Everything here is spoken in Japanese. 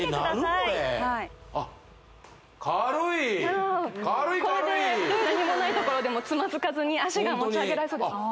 これあっこれで何もないところでもつまずかずに脚が持ち上げられそうです